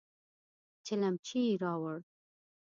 چلمچي يې راووړ.